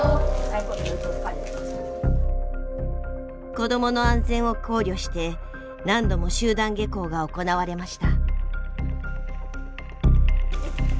子どもの安全を考慮して何度も集団下校が行われました。